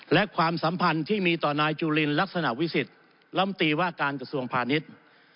และความสัมพันธ์ที่มีต่อนายจุลินลักษณะวิสิทธิ์ลำตีว่าการกระทรวงพาณิชย์